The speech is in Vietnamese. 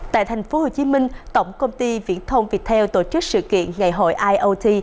tại thành phố hồ chí minh tổng công ty viễn thông viettel tổ chức sự kiện ngày hội iot